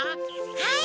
はい。